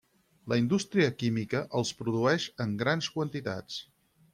La indústria química els produeix en grans quantitats.